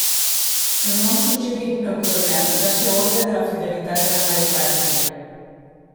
El nom suggerit pel coronel va ser Orde de la Fidelitat a la Mare Pàtria.